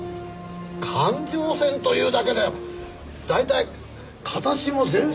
環状線というだけで大体形も全然違うじゃないか。